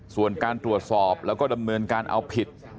ส่วนการตรวจสอบแล้วก็ดำเนินการเอาผิด